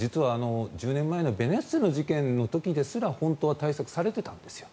実は１０年前のベネッセの時ですら本当は対策がされていたんですよ。